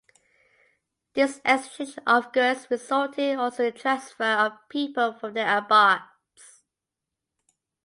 This exchange of goods resulted also in transfer of people from their abodes.